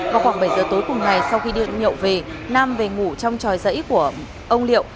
vào khoảng bảy giờ tối cùng ngày sau khi điện nhậu về nam về ngủ trong tròi dãy của ông liệu